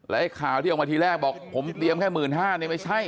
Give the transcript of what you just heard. และข่าวที่ออกมาทีแรกบอกผมเตรียมแค่๑๕๐๐๐ไม่ใช่